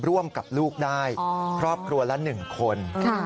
ร่วมกับลูกได้ครอบครัวละ๑คน